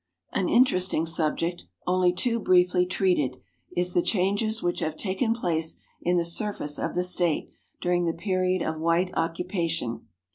An interesting subject, only too briefly treated, is the changes which have taken place in the surface of the State during the period of white occupa tion.